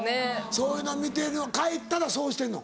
そういうの見てるの帰ったらそうしてんの？